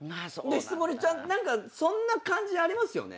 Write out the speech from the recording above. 質問にちゃんとそんな感じありますよね。